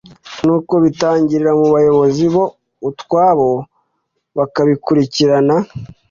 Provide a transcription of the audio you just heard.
n’uko bitangirira mu bayobozi bo ubwabo bakabikurikirana